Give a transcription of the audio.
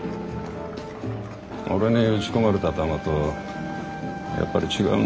俺に撃ち込まれた弾とやっぱり違うな。